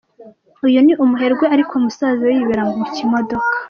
Uyu ni umuherwe ariko musaza we yibera mu kimodoka.